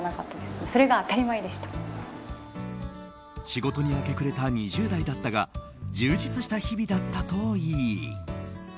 仕事に明け暮れた２０代だったが充実した日々だったといい。